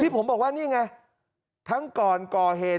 ผมบอกว่านี่ไงทั้งก่อนก่อเหตุ